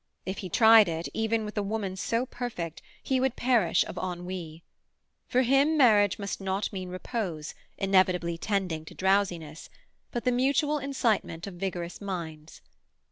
If he tried it, even with a woman so perfect, he would perish of ennui. For him marriage must not mean repose, inevitably tending to drowsiness, but the mutual incitement of vigorous minds.